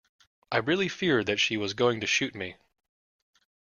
I really feared that she was going to shoot me.